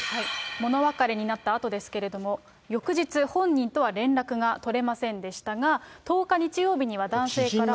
物別れになったあとですけれども、翌日、本人とは連絡が取れませんでしたが、１０日日曜日には、男性から。